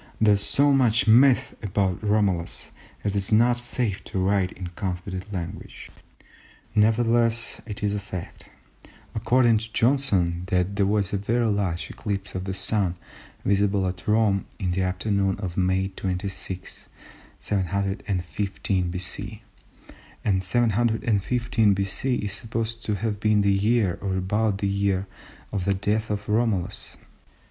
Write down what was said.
There is so much myth about Romulus that it is not safe to write in confident language. Nevertheless it is a fact, according to Johnson, that there was a very large eclipse of the Sun visible at Rome in the afternoon of May 26, 715 B.C., and 715 B.C. is supposed to have been the year, or about the year, of the death of Romulus.